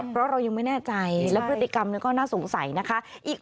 เพราะเรายังไม่แน่ใจและพฤติกรรมก็น่าสงสัยนะคะ